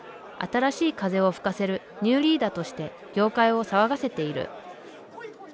新しい風を吹かせるニューリーダーとして業界を騒がせている。